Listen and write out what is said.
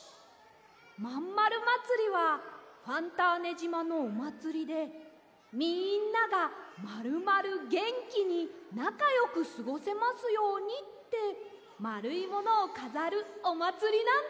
まんまるまつりはファンターネじまのおまつりでみんながまるまるげんきになかよくすごせますようにってまるいものをかざるおまつりなんです。